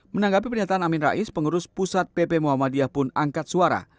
menanggapi pernyataan amin rais pengurus pusat pp muhammadiyah pun angkat suara